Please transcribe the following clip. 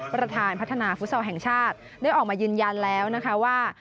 ประธานพัฒนาฟุตซอลแห่งชาติได้ออกมายืนยันแล้วนะคะว่า